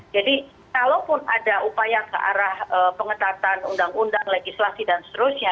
jadi kalaupun ada upaya ke arah pengetatan undang undang legislasi dan seterusnya